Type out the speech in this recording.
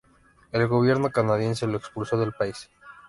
El gobierno canadiense lo expulsó del país.